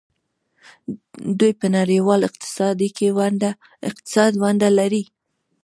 دوی په نړیوال اقتصاد کې ونډه لري.